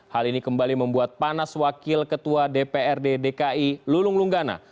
hal ini kembali membuat panas wakil ketua dprd dki lulung lunggana